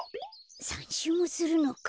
３しゅうもするのか。